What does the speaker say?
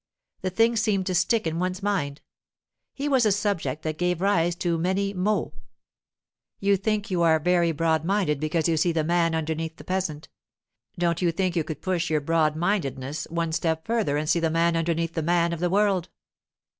The things seemed to stick in one's mind; he was a subject that gave rise to many mots. 'You think you are very broad minded because you see the man underneath the peasant. Don't you think you could push your broad mindedness one step further and see the man underneath the man of the world?